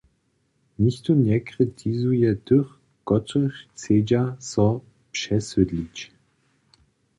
Nichtó njekritizuje tych, kotřiž chcedźa so přesydlić.